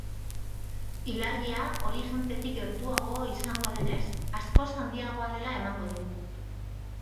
Ilargia horizontetik gertuago izango denez, askoz handiagoa dela emango du.